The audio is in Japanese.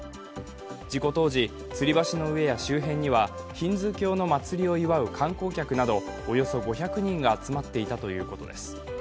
事故当時、つり橋の上や周辺にはヒンズー教の祭りを祝う観光客などおよそ５００人が集まっていたということです。